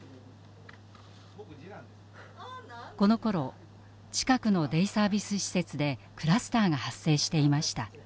このころ近くのデイサービス施設でクラスターが発生していました。